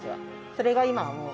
それが今はもう。